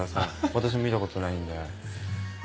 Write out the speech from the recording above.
私も見たことないんで。